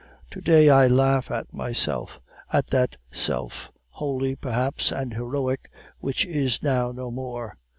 To day I laugh at myself, at that self, holy perhaps and heroic, which is now no more.